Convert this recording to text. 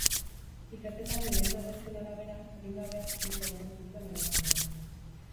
Ikerketaren lehen arrastoen arabera, adingabeak ito omen zituen emakumeak.